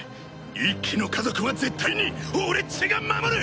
一輝の家族は絶対に俺っちが守る！